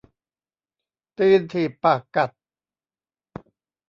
ตีนถีบปากกัด